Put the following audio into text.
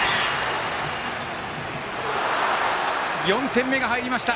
４点目が入りました。